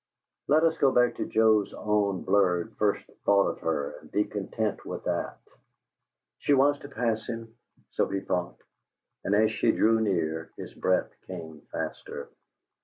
Let us go back to Joe's own blurred first thought of her and be content with that! She was to pass him so he thought and as she drew nearer, his breath came faster.